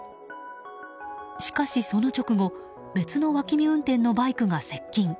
しかし、その直後別の脇見運転のバイクが接近。